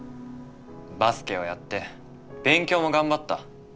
バスケをやって勉強も頑張った。